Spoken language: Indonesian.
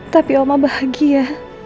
tapi oma bahagia